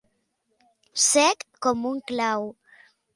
Sec com un clau.